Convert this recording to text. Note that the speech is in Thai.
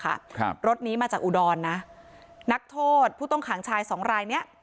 ครับรถนี้มาจากอุดรนะนักโทษผู้ต้องขังชายสองรายเนี้ย